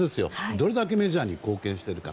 どれだけメジャーに貢献しているか。